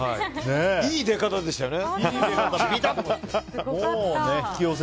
いい出方でしたよね。